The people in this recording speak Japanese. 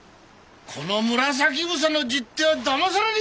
この紫房の十手はだまされねえ！